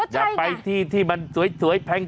อยากไปที่ที่มันสวยแพง